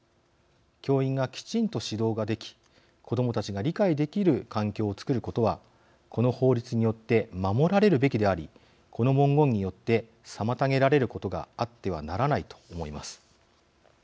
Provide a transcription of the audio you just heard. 教員がきちんと指導ができ子どもたちが理解できる環境を作ることはこの法律によって守られるべきでありこの文言によって妨げられることがあってはならないと思います。